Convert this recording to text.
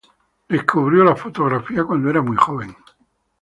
Descubrió la fotografía cuando era muy joven.